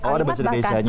oh ada bahasa indonesia nya